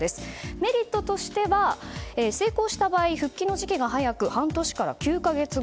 メリットとしては成功した場合復帰の時期が早く半年から９か月後。